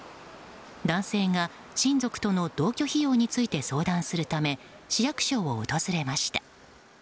男性が、親族との同居費用について相談するため市役所を訪れました。